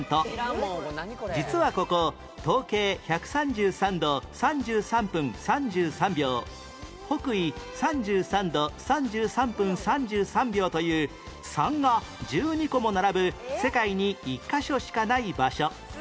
実はここ東経１３３度３３分３３秒北緯３３度３３分３３秒という３が１２個も並ぶ世界に１カ所しかない場所